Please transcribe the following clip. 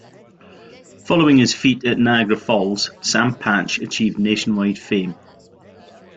Following his feat at Niagara falls, Sam Patch achieved nationwide fame.